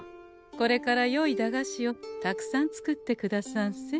これからよい駄菓子をたくさん作ってくださんせ。